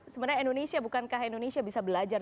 sebenarnya indonesia bukankah indonesia bisa belajar